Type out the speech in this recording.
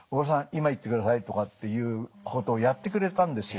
今行ってください」とかっていうことをやってくれたんですよ。